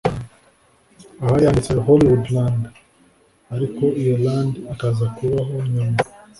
ahari handitse Hollywoodland ariko iyo Land ikaza kuva ho nyuma